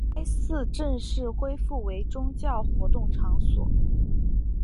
该寺正式恢复为宗教活动场所。